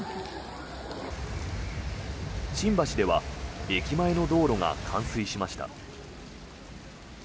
新橋では駅前の道路が冠水しました。